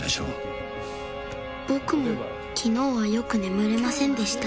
僕も昨日はよく眠れませんでした